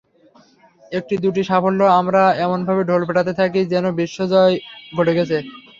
একটি-দুটি সাফল্যে আমরা এমনভাবে ঢোল পেটাতে থাকি, যেন বিশ্ববিজয় ঘটে গেছে।